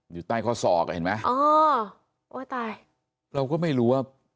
อยู่ใต้ข้อศอกอ่ะเห็นไหมอ๋อโอ้ยตายเราก็ไม่รู้ว่า